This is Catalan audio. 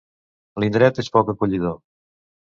L'indret és poc acollidor.